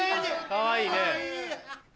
かわいいね。